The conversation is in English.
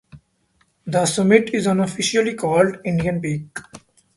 The summit is unofficially called Indian Peak.